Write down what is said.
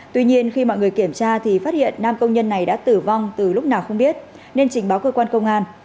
tuy nhiên khi mọi người kiểm tra thì phát hiện nam công nhân này đã tử vong từ lúc nào không biết nên trình báo cơ quan công an